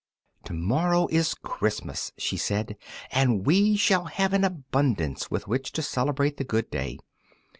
"To morrow is Christmas," she said, "and we shall have an abundance with which to celebrate the good day.